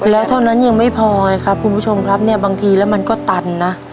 แล้วเท่านั้นยังไม่พอไงครับคุณผู้ชมครับเนี่ยบางทีแล้วมันก็ตันนะ